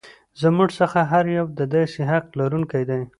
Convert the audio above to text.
زموږ څخه هر یو د داسې حق لرونکی دی.